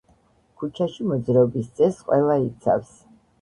ქუჩაში მოძრაობის წესს ყველა იცავს.